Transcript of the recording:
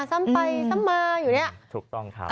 ซ้ำไปซ้ำมาอยู่เนี่ยถูกต้องครับ